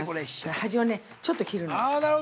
はじをね、ちょっと切るの。